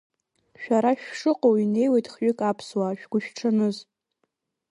Шәара шәшыҟоу инеиуеит хҩык аԥсуаа, шәгәышәҽаныз!